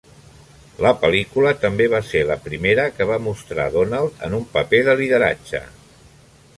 La pel·lícula també va ser la primera que va mostrar Donald en un paper de lideratge.